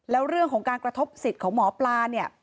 แล้วเรื่องของการกระทบสิทธิ์ของหมอปลาเนี่ย